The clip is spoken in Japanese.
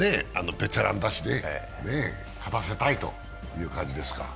ベテランだし、勝たせたいという感じですか？